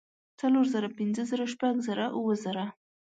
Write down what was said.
څلور زره پنځۀ زره شپږ زره اووه زره